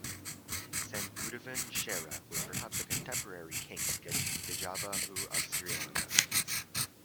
Senguttuvan Chera was perhaps a contemporary king Gajabahu of Sri Lanka.